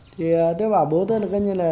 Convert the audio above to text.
thì tôi bảo bố tôi là